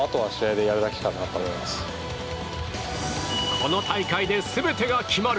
この大会で全てが決まる。